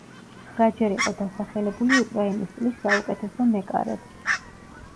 ცხრაჯერ იყო დასახელებული უკრაინის წლის საუკეთესო მეკარედ.